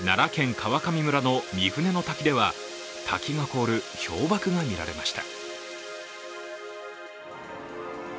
川上村の御船の滝では滝が凍る氷ばくが見られました。